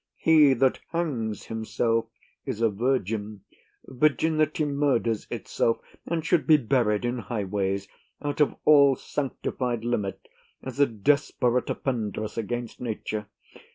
He that hangs himself is a virgin: virginity murders itself, and should be buried in highways out of all sanctified limit, as a desperate offendress against nature.